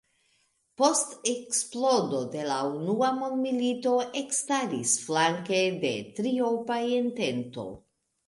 Post eksplodo de la unua mondmilito ekstaris flanke de Triopa Entento.